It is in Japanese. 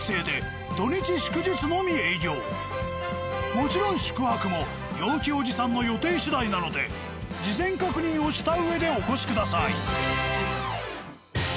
もちろん宿泊も陽気おじさんの予定しだいなので事前確認をしたうえでお越しください。